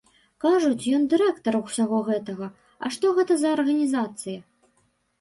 Кажуць, ён дырэктар усяго гэтага, а што гэта за арганізацыя?